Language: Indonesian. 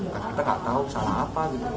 kita tidak tahu salah apa gitu